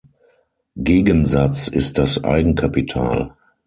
Gegensatz ist das Eigenkapital.